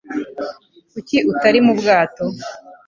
Kuki utari mu bwato?